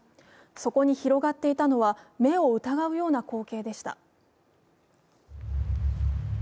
そこに広がっていたのは目を疑うような光景でした。